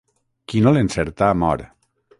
Qui no l'encerta mor.